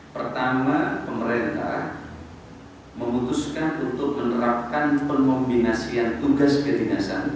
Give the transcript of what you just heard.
pertama pemerintah memutuskan untuk menerapkan pengombinasian tugas kedinasan